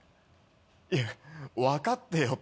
いや分かってよって。